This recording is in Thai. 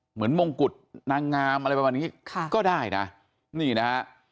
เหมือนมงกุฎนางงามอะไรแบบนี้ก็ได้นะ